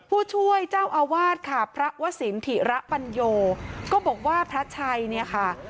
ผู้ช่วยเจ้าอาวาสค่ะพระวศิลปถิระปัญโยก็บอกว่าพระชัยเนี่ยค่ะ